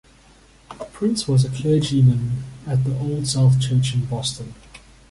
Prince was a clergyman at the Old South Church in Boston.